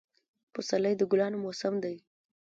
پسرلی د ګلانو موسم دی